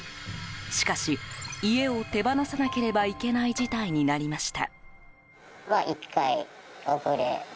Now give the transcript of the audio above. しかし家を手放さなければいけない事態になりました。